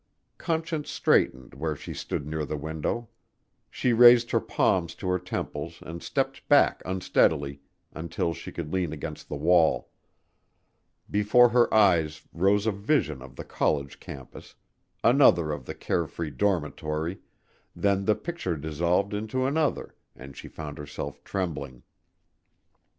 Conscience straightened where she stood near the window. She raised her palms to her temples and stepped back unsteadily until she could lean against the wall. Before her eyes rose a vision of the college campus another of the care free dormitory, then the picture dissolved into another and she found herself trembling.